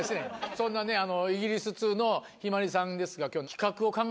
そんなねイギリス通の向日葵さんですが今日。